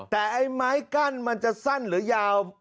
แต่ไอ้ไม้กั้นมันจะสั้นหรือยาว